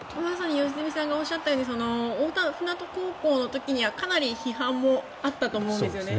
良純さんがおっしゃったように大船渡高校の時にはかなり批判もあったと思うんですね。